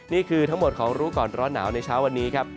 นี่คือทั้งหมดของรู้ก่อนร้อนหนาวในเช้าวันนี้ครับ